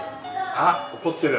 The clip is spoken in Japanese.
あっ怒ってる。